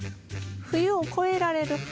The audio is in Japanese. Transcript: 冬を越えられる花。